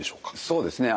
そうですね。